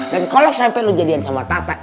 dan kalo sampe lo jadian sama tata